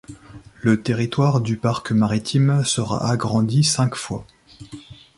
Le territoire du parc Maritime sera agrandi cinq fois.